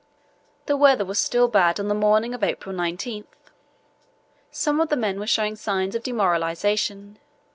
The weather was still bad on the morning of April 19. Some of the men were showing signs of demoralization.